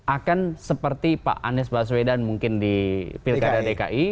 akan seperti pak anies baswedan mungkin di pilkada dki